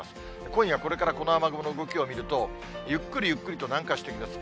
今夜これからこの雨雲の動きを見ると、ゆっくりゆっくりと南下してきます。